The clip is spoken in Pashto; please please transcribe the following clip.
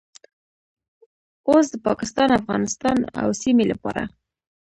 اوس د پاکستان، افغانستان او سیمې لپاره